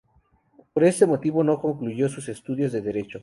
Por este motivo, no concluyó sus estudios de Derecho.